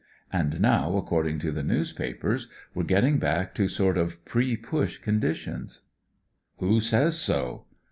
And now, according to the newspapers, we're getting back to sort of pre Push conditions." Who says so